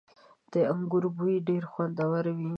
• د انګورو بوی ډېر خوندور وي.